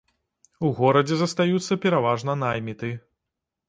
У горадзе застаюцца пераважна найміты.